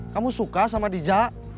kamu suka sama dija